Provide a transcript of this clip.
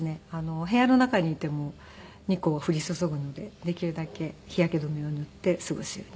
お部屋の中にいても日光は降り注ぐのでできるだけ日焼け止めを塗って過ごすようにしています。